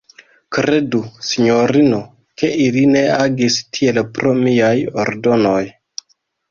Kredu, sinjorino, ke ili ne agis tiel pro miaj ordonoj.